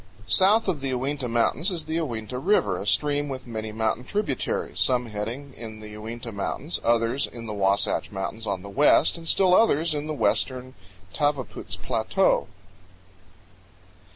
South of the Uinta Mountains is the Uinta River, a stream with many mountain tributaries, some heading in the Uinta Mountains, others in the Wasatch Mountains on the west, and still others in the western Tavaputs Plateau.